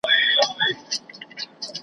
په سيمه کې يو ډېر پيژندل شوی نوم دی.